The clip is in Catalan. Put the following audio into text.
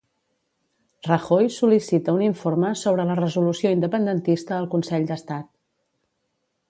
Rajoy sol·licita un informe sobre la resolució independentista al Consell d'Estat.